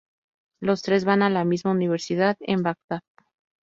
Los tres van a la misma universidad en Bagdad.